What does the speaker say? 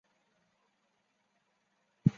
随后王承恩也吊死于旁边的海棠树上。